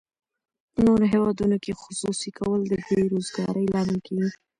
په نورو هیوادونو کې خصوصي کول د بې روزګارۍ لامل کیږي.